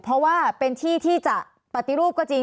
เพราะว่าเป็นที่ที่จะปฏิรูปก็จริง